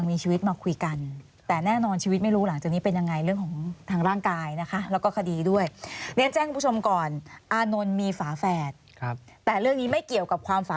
ไม่ใช่ความเข้าใจว่าแฝดเราอีกคน